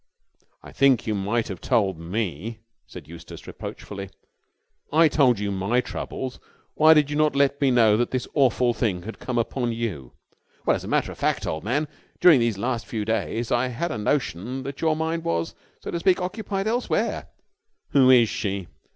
"I think you might have told me," said Eustace reproachfully. "I told you my troubles. Why did you not let me know that this awful thing had come upon you?" "Well, as a matter of fact, old man, during these last few days I had a notion that your mind was, so to speak, occupied elsewhere." "Who is she?"